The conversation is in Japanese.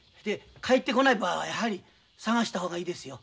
帰ってこない場合はやはり捜した方がいいですよ。